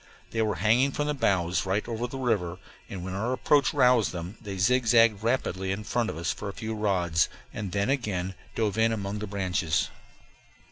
They were hanging from the boughs right over the river, and when our approach roused them they zigzagged rapidly in front of us for a few rods, and then again dove in among the branches.